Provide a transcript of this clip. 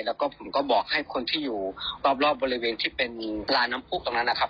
แล้วก็ผมก็บอกให้คนที่อยู่รอบบริเวณที่เป็นร้านน้ำพุกตรงนั้นนะครับ